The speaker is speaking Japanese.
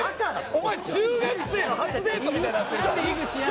お前中学生の初デートみたいになってるから。